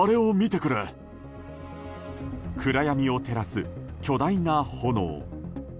暗闇を照らす巨大な炎。